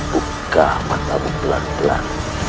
buka matamu pelan pelan